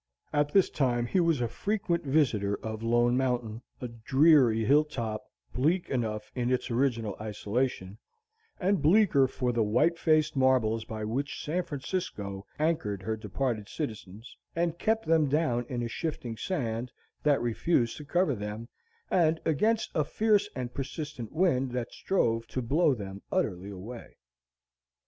At this time he was a frequent visitor of "Lone Mountain," a dreary hill top, bleak enough in its original isolation, and bleaker for the white faced marbles by which San Francisco anchored her departed citizens, and kept them down in a shifting sand that refused to cover them, and against a fierce and persistent wind that strove to blow them utterly away.